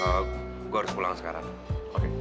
gue harus pulang sekarang